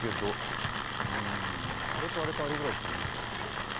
うーんあれとあれとあれぐらいしかねえな。